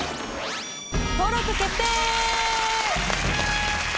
登録決定！